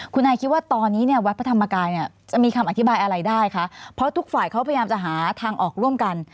คุณนายคิดว่าตอนนี้เนี่ยวัดพระธรรมกายเนี่ยจะมีคำอธิบายอะไรได้คะเพราะทุกฝ่ายเขาพยายามจะหาทางออกร่วมกัน